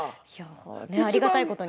ありがたいことに。